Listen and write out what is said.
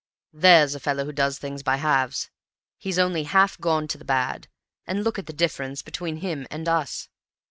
There's a fellow who does things by halves; he's only half gone to the bad; and look at the difference between him and us!